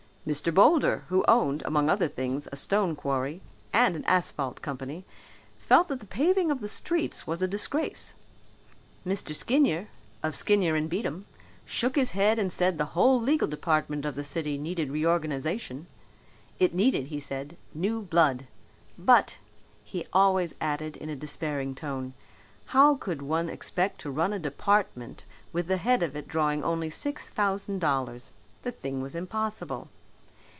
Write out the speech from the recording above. Mr. Boulder, who owned, among other things, a stone quarry and an asphalt company, felt that the paving of the streets was a disgrace. Mr. Skinyer, of Skinyer and Beatem, shook his head and said that the whole legal department of the city needed reorganization; it needed, he said, new blood. But he added always in a despairing tone, how could one expect to run a department with the head of it drawing only six thousand dollars; the thing was impossible.